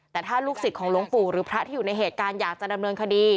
แต่ถ้าลูกศิษย์ของหลวงปู่หรือพระที่อยู่ในเหตุการณ์อยากจะดำเนินคดี